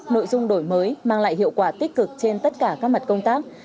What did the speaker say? nội dung đổi mới mang lại hiệu quả tích cực trên tất cả các mặt công tác